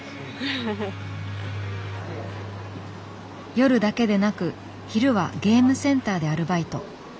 夜だけでなく昼はゲームセンターでアルバイト。